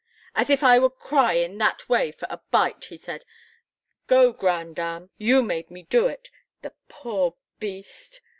"As if I would cry in that way for a bite!" he said. "Go, grandame; you made me do it, the poor beast!"